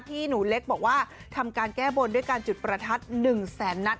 หนูเล็กบอกว่าทำการแก้บนด้วยการจุดประทัด๑แสนนัด